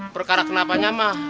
perkara kenapanya mah